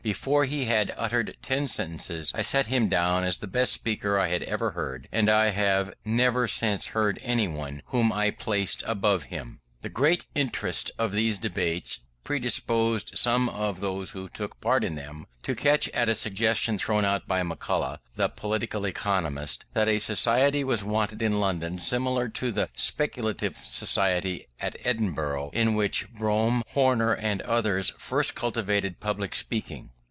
Before he had uttered ten sentences, I set him down as the best speaker I had ever heard, and I have never since heard anyone whom I placed above him. The great interest of these debates predisposed some of those who took part in them, to catch at a suggestion thrown out by McCulloch, the political economist, that a Society was wanted in London similar to the Speculative Society at Edinburgh, in which Brougham, Horner, and others first cultivated public speaking.